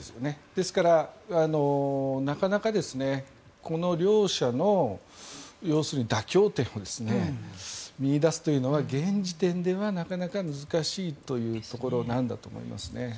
ですからなかなか、この両者の要するに妥協点を見いだすというのは現時点では、なかなか難しいというところだと思いますね。